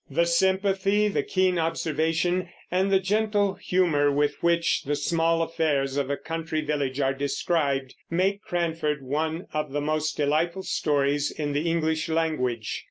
The sympathy, the keen observation, and the gentle humor with which the small affairs of a country village are described make Cranford one of the most delightful stories in the English language.